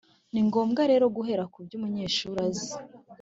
ni ngombwa rero guhera ku byo umunyeshuri azi